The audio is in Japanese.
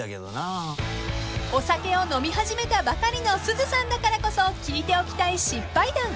［お酒を飲み始めたばかりのすずさんだからこそ聞いておきたい失敗談］